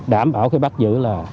đảm bảo khi bắt giữ là